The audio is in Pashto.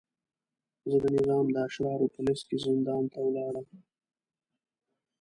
زه د نظام د اشرارو په لست کې زندان ته ولاړم.